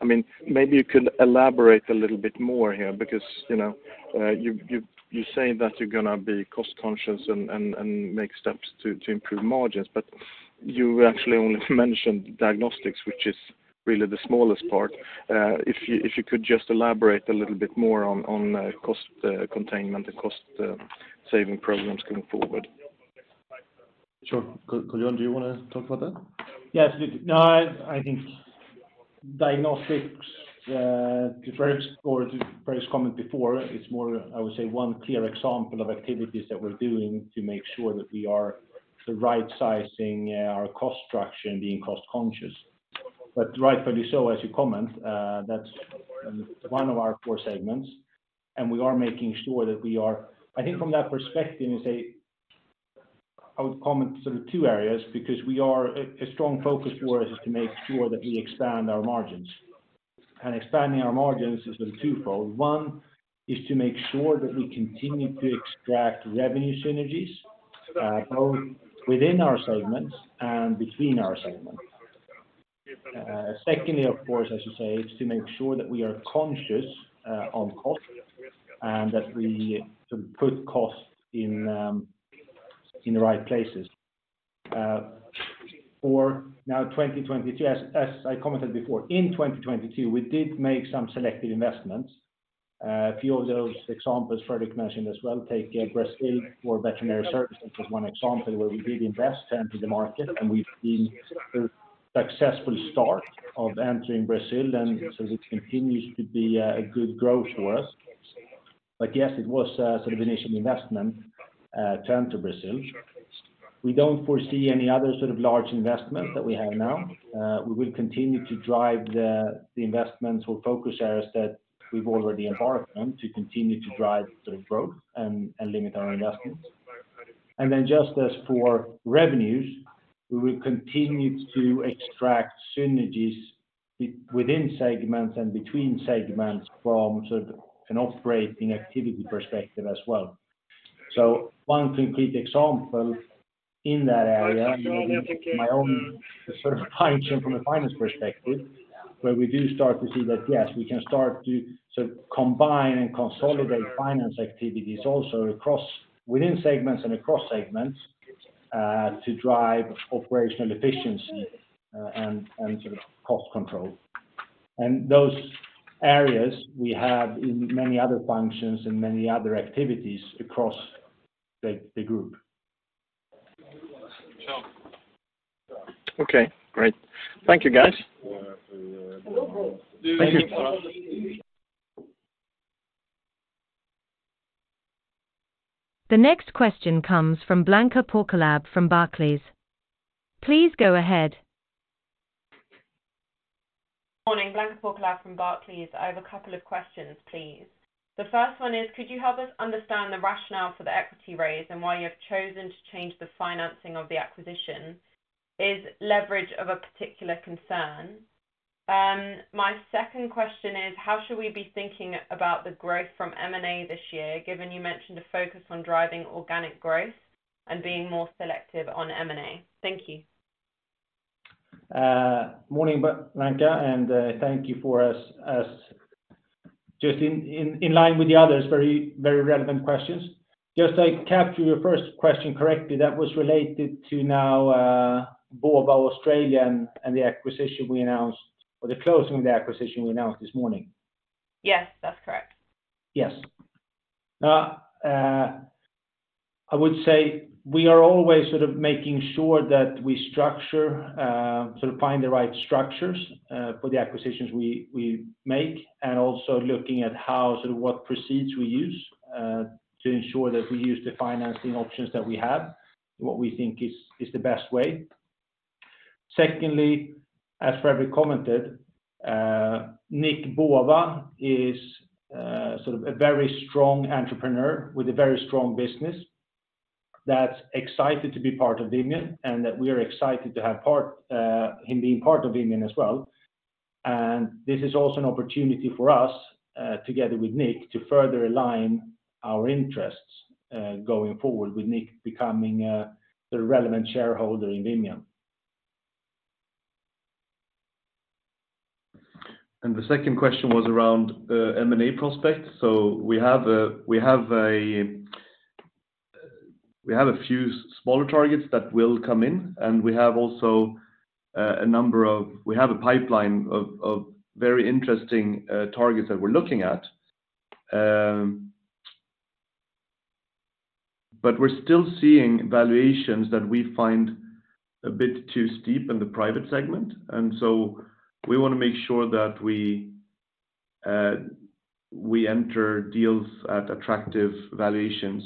I mean, maybe you can elaborate a little bit more here because, you know, you say that you're gonna be cost conscious and make steps to improve margins. You actually only mentioned diagnostics, which is really the smallest part. If you could just elaborate a little bit more on cost containment, the cost saving programs going forward. Sure. Carl Johan, do you wanna talk about that? Yes. No, I think diagnostics, to Fredrik's comment before, it's more, I would say, one clear example of activities that we're doing to make sure that we are the right sizing our cost structure and being cost conscious. Rightfully so, as you comment, that's one of our core segments, and we are making sure that we are. I think from that perspective, I would comment sort of two areas because we are a strong focus for us is to make sure that we expand our margins. Expanding our margins is sort of twofold. One is to make sure that we continue to extract revenue synergies, both within our segments and between our segments. Secondly, of course, as you say, is to make sure that we are conscious on cost and that we sort of put costs in the right places. For now, 2022, as I commented before, in 2022, we did make some selective investments. A few of those examples Fredrik mentioned as well, take Brazil for veterinary services as one example where we did invest into the market, and we've seen successful start of entering Brazil, it continues to be a good growth for us. Yes, it was sort of initial investment term to Brazil. We don't foresee any other sort of large investment that we have now. We will continue to drive the investments or focus areas that we've already embarked on to continue to drive sort of growth and limit our investments. Just as for revenues, we will continue to extract synergies within segments and between segments from sort of an operating activity perspective as well. One complete example in that area, maybe my own sort of function from a finance perspective, where we do start to see that, yes, we can start to sort of combine and consolidate finance activities also within segments and across segments to drive operational efficiency and sort of cost control. Those areas we have in many other functions and many other activities across the group. Okay, great. Thank you, guys. Thank you. The next question comes from Blanka Porkoláb from Barclays. Please go ahead. Morning, Blanka Porkoláb from Barclays. I have a couple of questions, please. The first one is, could you help us understand the rationale for the equity raise and why you have chosen to change the financing of the acquisition? Is leverage of a particular concern? My second question is, how should we be thinking about the growth from M&A this year, given you mentioned a focus on driving organic growth and being more selective on M&A? Thank you. Morning, Blanka, thank you for as just in line with the others, very relevant questions. Just I capture your first question correctly, that was related to now, Bova Australia and the acquisition we announced, or the closing of the acquisition we announced this morning. Yes, that's correct. Yes. Now, I would say we are always sort of making sure that we structure, sort of find the right structures, for the acquisitions we make, and also looking at how sort of what proceeds we use, to ensure that we use the financing options that we have, what we think is the best way. Secondly, as Fredrik commented, Nick Bova is, sort of a very strong entrepreneur with a very strong business that's excited to be part of Vimian, and that we are excited to have him being part of Vimian as well. This is also an opportunity for us, together with Nick, to further align our interests, going forward with Nick becoming, the relevant shareholder in Vimian. The second question was around M&A prospects. We have a few smaller targets that will come in, and we have a pipeline of very interesting targets that we're looking at. We're still seeing valuations that we find a bit too steep in the private segment, we wanna make sure that we enter deals at attractive valuations,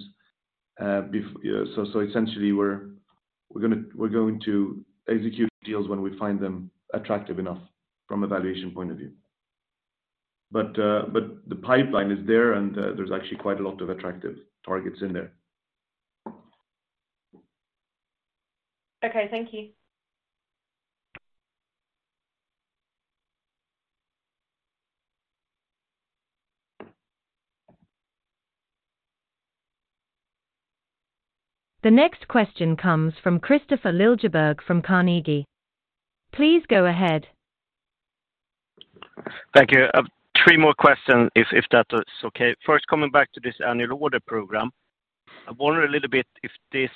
so essentially we're going to execute deals when we find them attractive enough from a valuation point of view. The pipeline is there's actually quite a lot of attractive targets in there. Okay, thank you. The next question comes from Kristofer Liljeberg from Carnegie. Please go ahead. Thank you. I've three more questions if that is okay. First, coming back to this annual order program, I wonder a little bit if this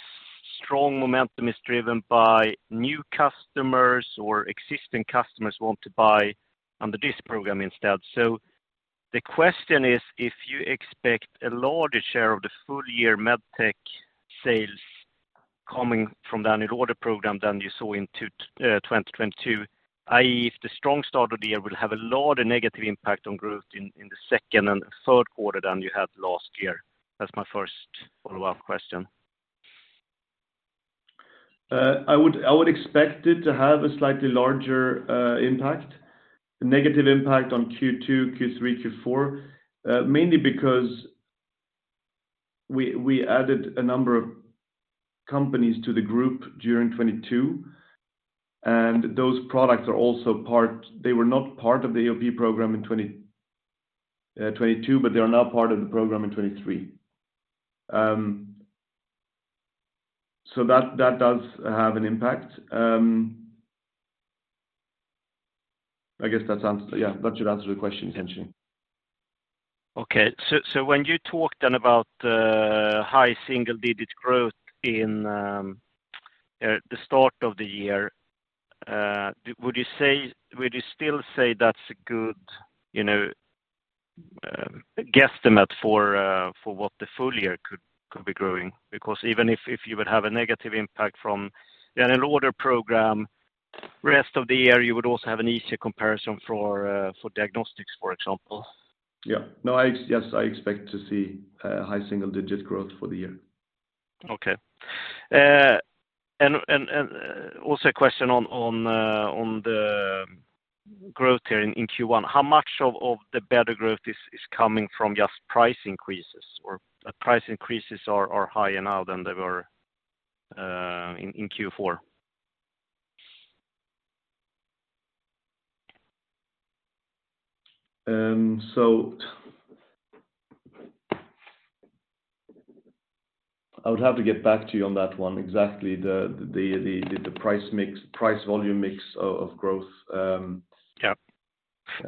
strong momentum is driven by new customers or existing customers want to buy under this program instead. The question is, if you expect a larger share of the full year MedTech sales coming from the annual order program than you saw in 2022, i.e., if the strong start of the year will have a lot of negative impact on growth in the second and third quarter than you had last year. That's my first follow-up question. I would expect it to have a slightly larger impact, a negative impact on Q2, Q3, Q4, mainly because we added a number of companies to the group during 2022. Those products are also part. They were not part of the AOP program in 2022, but they are now part of the program in 2023. That does have an impact. I guess that answers, yeah, that should answer the question essentially. Okay. When you talk about high single-digit growth in the start of the year, would you still say that's a good, you know, guesstimate for what the full year could be growing? Even if you would have a negative impact from the annual order program, rest of the year, you would also have an easier comparison for diagnostics, for example. Yeah. No, I Yes, I expect to see, high single-digit growth for the year. Okay. Also a question on the growth here in Q1. How much of the better growth is coming from just price increases or price increases are higher now than they were in Q4? I would have to get back to you on that one. Exactly the price mix, price volume mix of growth. Yeah.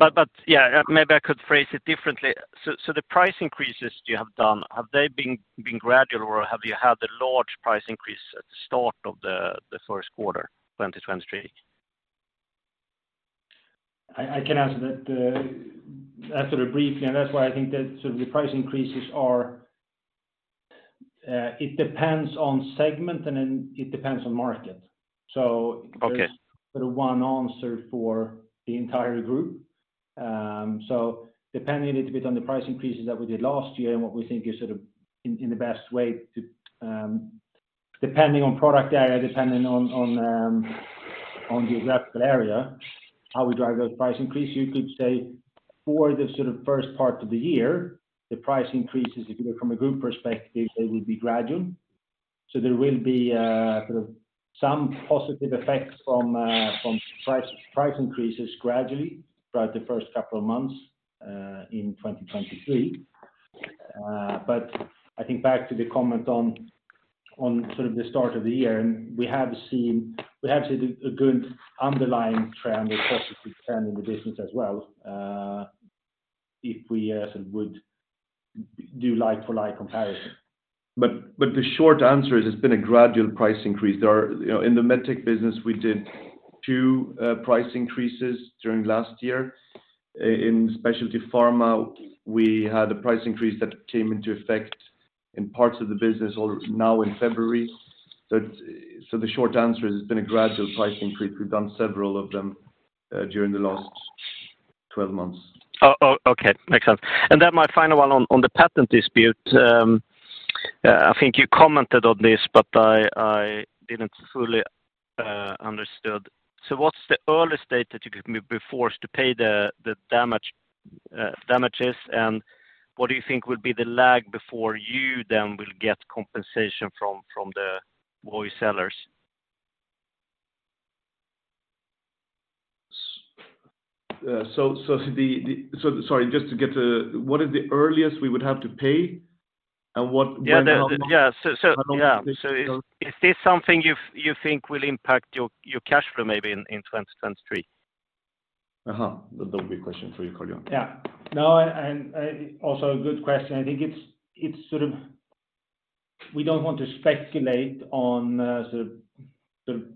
Yeah. Yeah, maybe I could phrase it differently. The price increases you have done, have they been gradual, or have you had a large price increase at the start of the first quarter, 2023? I can answer that, answer it briefly, and that's why I think that sort of the price increases are, it depends on segment, and then it depends on market. Okay There's sort of one answer for the entire group. Depending a little bit on the price increases that we did last year and what we think is sort of in the best way to, depending on product area, depending on the exact area, how we drive those price increase, you could say for the sort of first part of the year, the price increases from a group perspective, they will be gradual. There will be sort of some positive effects from price increases gradually throughout the first couple of months in 2023. I think back to the comment on sort of the start of the year, we have seen a good underlying trend or positive trend in the business as well, if we sort of would do like-for-like comparison. The short answer is it's been a gradual price increase. You know, in the MedTech business, we did two price increases during last year. In Specialty Pharma, we had a price increase that came into effect in parts of the business all now in February. The short answer is it's been a gradual price increase. We've done several of them during the last 12 months. Oh, okay. Makes sense. My final one on the patent dispute, I think you commented on this, but I didn't fully understood. What's the earliest date that you could be forced to pay the damages, and what do you think would be the lag before you then will get compensation from the VOI sellers? sorry, just to get to what is the earliest we would have to pay, and what, when and how much? Yeah. yeah. How long it takes? Is this something you think will impact your cash flow maybe in 2023? That would be a question for you, Carl Johan. No, and also a good question. I think it's We don't want to speculate on sort of the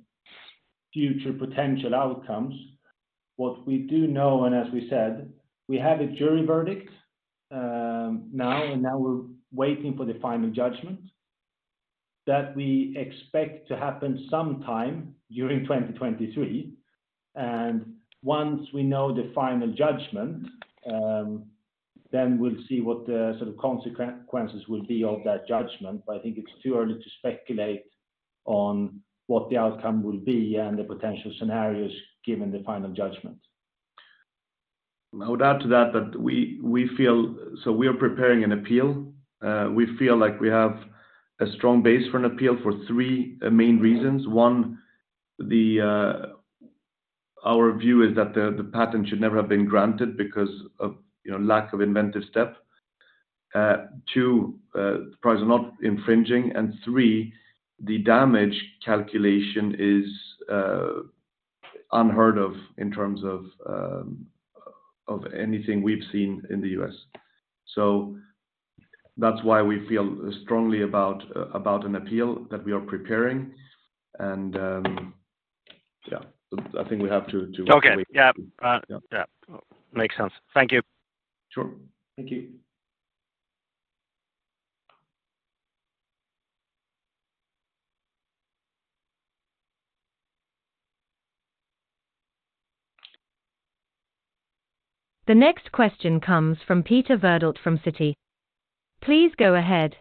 future potential outcomes. What we do know, as we said, we have a jury verdict now we're waiting for the final judgment that we expect to happen sometime during 2023. Once we know the final judgment, then we'll see what the sort of consequences will be of that judgment. I think it's too early to speculate on what the outcome will be and the potential scenarios given the final judgment. No doubt to that, but we feel. We are preparing an appeal. We feel like we have a strong base for an appeal for 3 main reasons. 1, our view is that the patent should never have been granted because of, you know, lack of inventive step. 2, the price is not infringing, and 3, the damage calculation is unheard of in terms of anything we've seen in the U.S. That's why we feel strongly about an appeal that we are preparing. Yeah, I think we have to wait. Okay. Yeah. Yeah. Makes sense. Thank you. Sure. Thank you. The next question comes from Peter Verdult from Citi. Please go ahead.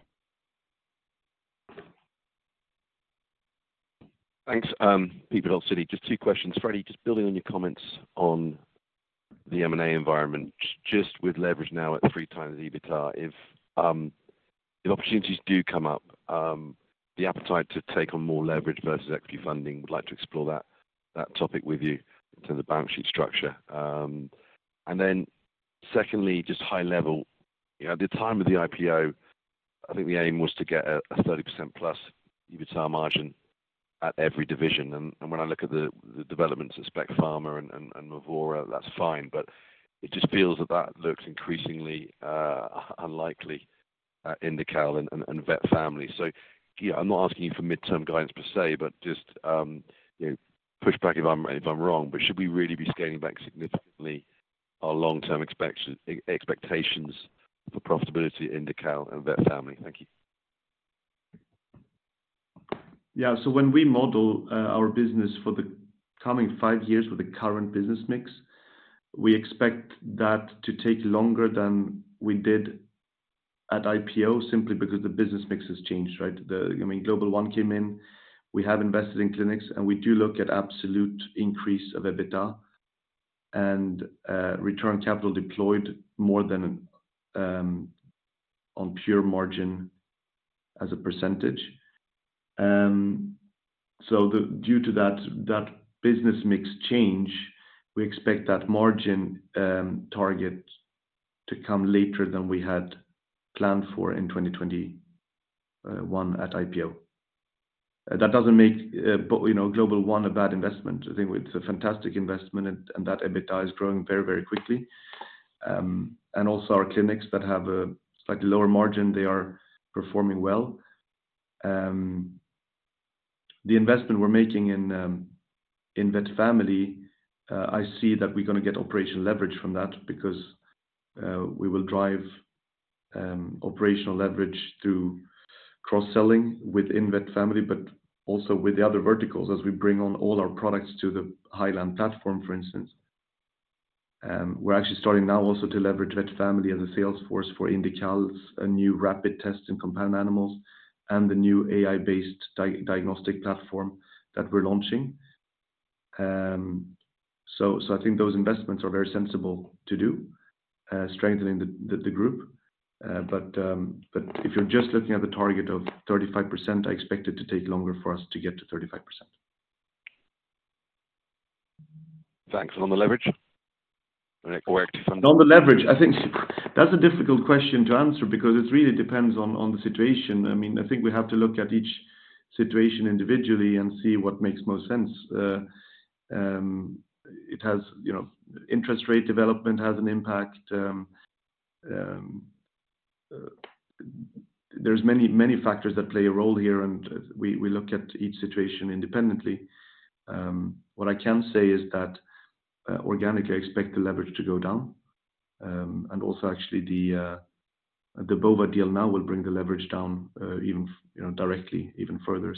Thanks. Peter Verdult, Citi. Just two questions. Freddy, just building on your comments on the M&A environment, just with leverage now at 3x the EBITDA, if opportunities do come up, the appetite to take on more leverage versus equity funding, would like to explore that topic with you in terms of balance sheet structure. Secondly, just high level. You know, at the time of the IPO, I think the aim was to get a 30%+ EBITDA margin at every division. And when I look at the developments at Spec Pharma and Movora, that's fine. But it just feels that looks increasingly unlikely in the INDICAL and VetFamily. You know, I'm not asking you for midterm guidance per se, but just, you know, push back if I'm wrong. Should we really be scaling back significantly our long-term expectations for profitability in INDICAL and VetFamily? Thank you. When we model our business for the coming five years with the current business mix, we expect that to take longer than we did at IPO simply because the business mix has changed, right? I mean, GlobalOne came in. We have invested in clinics, and we do look at absolute increase of EBITDA and return capital deployed more than on pure margin as a percentage. Due to that business mix change, we expect that margin target to come later than we had planned for in 2021 at IPO. That doesn't make, you know, GlobalOne a bad investment. I think it's a fantastic investment and that EBITDA is growing very, very quickly. And also our clinics that have a slightly lower margin, they are performing well. The investment we're making in Vet Family, I see that we're gonna get operational leverage from that because we will drive operational leverage through cross-selling within Vet Family, but also with the other verticals as we bring on all our products to the Heiland platform, for instance. We're actually starting now also to leverage Vet Family as a sales force for INDICAL's new rapid tests in companion animals and the new AI-based diagnostic platform that we're launching. I think those investments are very sensible to do, strengthening the group. If you're just looking at the target of 35%, I expect it to take longer for us to get to 35%. Thanks. On the leverage? On the leverage, I think that's a difficult question to answer because it really depends on the situation. I mean, I think we have to look at each situation individually and see what makes most sense. It has, you know, interest rate development has an impact. There's many factors that play a role here, and we look at each situation independently. What I can say is that organically, I expect the leverage to go down. Also actually the Bova deal now will bring the leverage down, even you know, directly, even further.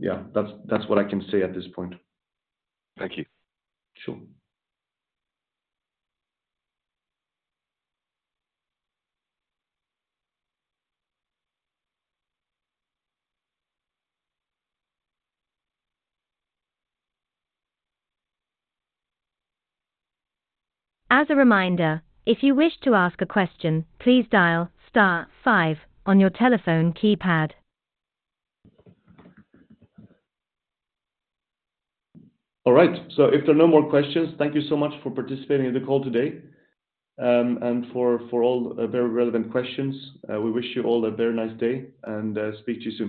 Yeah, that's what I can say at this point. Thank you. Sure. As a reminder, if you wish to ask a question, please dial star five on your telephone keypad. All right. If there are no more questions, thank you so much for participating in the call today. And for all very relevant questions, we wish you all a very nice day, and speak to you soon.